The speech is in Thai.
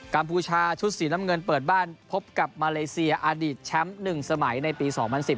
พูชาชุดสีน้ำเงินเปิดบ้านพบกับมาเลเซียอดีตแชมป์๑สมัยในปี๒๐๑๐